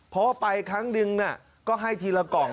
เพราะว่าไปครั้งหนึ่งก็ให้ทีละกล่อง